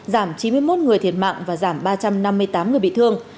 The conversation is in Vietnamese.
giảm chín mươi một người thiệt mạng và giảm ba trăm năm mươi tám người bị thương